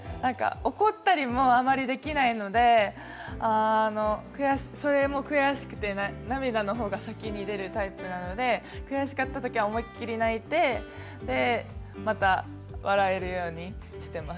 怒ったりもあまりできないので、それも悔しくて、涙の方が先に出るタイプなので悔しかったときは、思い切り泣いて、また笑えるようにしてます。